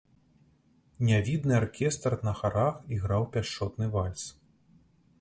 Нявідны аркестр на харах іграў пяшчотны вальс.